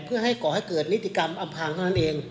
เพื่อให้ก่อให้เกิดนิติกรรมอำพางเท่านั้นเอง